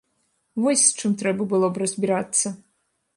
Вось з чым трэба было б разбірацца.